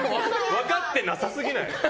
分かってなさすぎない？